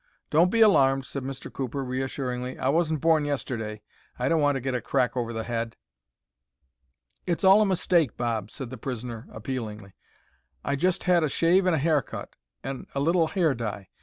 "Don't be alarmed," said Mr. Cooper, reassuringly. "I wasn't born yesterday. I don't want to get a crack over the head." "It's all a mistake, Bob," said the prisoner, appealingly. "I just had a shave and a haircut and—and a little hair dye.